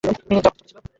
জামাটি ছোট ছিল।